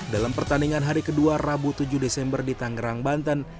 dalam pertandingan hari kedua rabu tujuh desember di tangerang banten